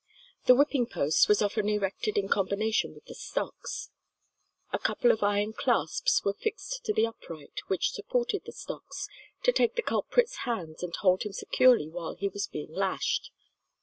The whipping post was often erected in combination with the stocks. A couple of iron clasps were fixed to the upright which supported the stocks, to take the culprit's hands and hold him securely while he was being lashed.